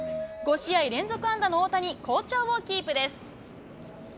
５試合連続安打の大谷、好調をキープです。